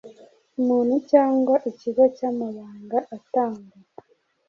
umuntu cyangwa ikigo cyamabanga atangwa